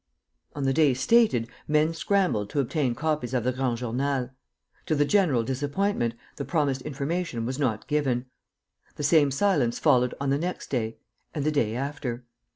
On the day stated, men scrambled to obtain copies of the Grand Journal. To the general disappointment, the promised information was not given. The same silence followed on the next day and the day after.